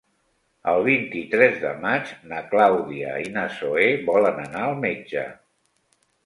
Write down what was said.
El vint-i-tres de maig na Clàudia i na Zoè volen anar al metge.